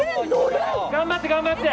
頑張って頑張って！